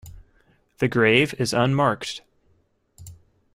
The grave is unmarked.